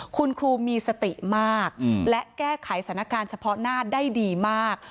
คุณครูมีสติมากและแก้ไขสถานการณ์เฉพาะหน้าได้ดีมาก